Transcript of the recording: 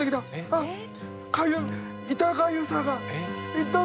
あっかゆい痛がゆさが！